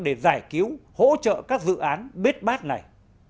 để giải cứu hỗ trợ các dự án bếp bát này